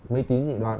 mê tín dị đoan